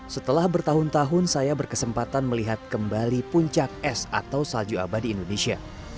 setelah bertahun tahun saya berkesempatan melihat kembali puncak es atau salju abadi indonesia